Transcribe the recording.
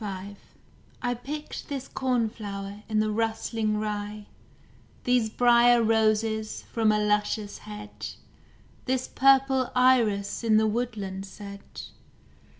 V I picked this cornflower in the rustling rye, These briar roses from a luscious hedge, This purple iris in the woodland sedge.